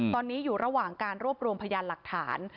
ตอนนี้อยู่ระหว่างการรวบรวมพยานหลักฐาน